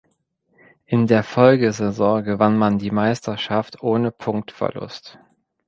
In der Folgesaison gewann man die Meisterschaft ohne Punktverlust.